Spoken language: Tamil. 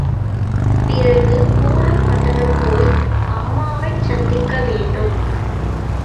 பிறகு, கூடல் பட்டணம் போய், அம்மாவைச் சந்திக்க வேண்டும்.